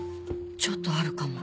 ちょっとあるかも。